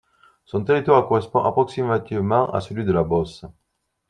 Son territoire correspond approximativement à celui de la Beauce.